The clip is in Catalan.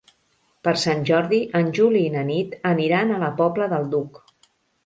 Per Sant Jordi en Juli i na Nit aniran a la Pobla del Duc.